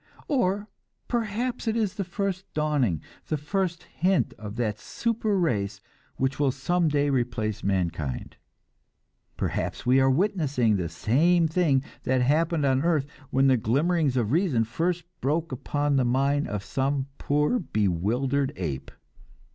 Or perhaps it is the first dawning, the first hint of that super race which will some day replace mankind. Perhaps we are witnessing the same thing that happened on the earth when glimmerings of reason first broke upon the mind of some poor, bewildered ape.